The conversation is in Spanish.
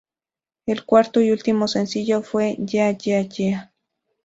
El cuarto y último sencillo fue "Yeah Yeah Yeah".